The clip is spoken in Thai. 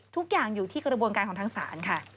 ทุกอย่างอยู่ที่กระบวนการของทางศาลค่ะ